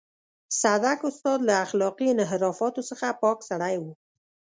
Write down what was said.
صدک استاد له اخلاقي انحرافاتو څخه پاک سړی و.